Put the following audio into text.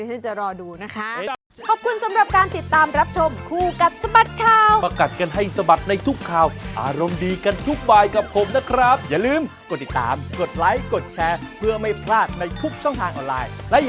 เอาไว้ดีจะรอดูนะคะ